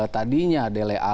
tadinya dele alli ataupun davis